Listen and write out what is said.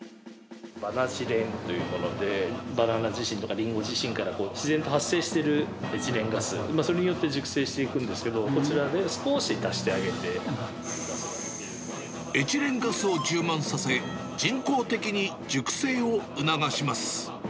バナチレンというもので、バナナ自身とかリンゴ自身から自然と発生しているエチレンガス、それによって熟成していくんですけど、こちらで、少し足してあげエチレンガスを充満させ、人工的に熟成を促します。